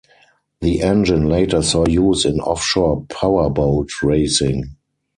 The engine later saw use in offshore powerboat racing.